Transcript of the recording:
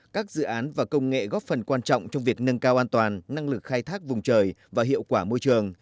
các dự án và công nghệ góp phần quan trọng trong việc nâng cao an toàn năng lực khai thác vùng trời và hiệu quả môi trường